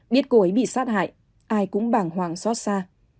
biết cô ấy bị sát hại ai cũng bàng hoàng xót xa